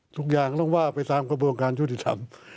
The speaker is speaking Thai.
ทุกอย่างต้องว่าไปตามกระบวนการยุติธรรม